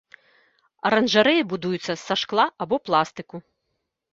Аранжарэі будуюцца са шкла або пластыку.